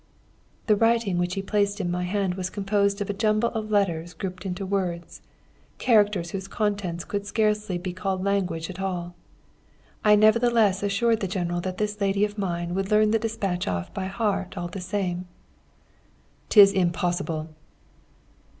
"The writing which he placed in my hand was composed of a jumble of letters grouped into words characters whose contents could scarcely be called language at all. I nevertheless assured the General that this lady of mine would learn the despatch off by heart all the same. "''Tis impossible.'